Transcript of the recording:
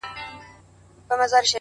هوډ د ستونزو وزن کموي؛